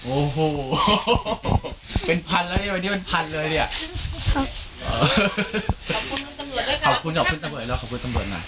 โอ้โหเป็นพันแล้วเนี่ยเป็นพันเลยเนี่ย